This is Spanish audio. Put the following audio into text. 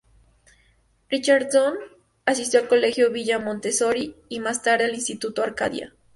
Richardson asistió al colegio Villa Montessori, y más tarde al instituto Arcadia.